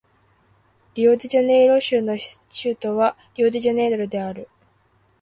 リオデジャネイロ州の州都はリオデジャネイロである